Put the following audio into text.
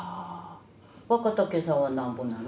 若竹さんはなんぼなの？